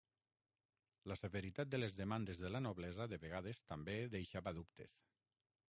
La severitat de les demandes de la noblesa de vegades també deixava dubtes.